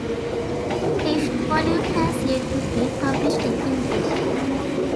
The fifth volume has yet to be published in English.